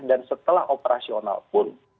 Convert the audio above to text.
dan setelah operasional pun